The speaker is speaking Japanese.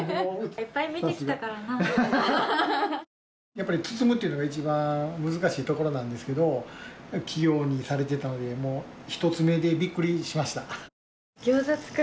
やっぱり包むっていうのが一番難しいところなんですけど器用にされてたのでもう１つ目でびっくりしました。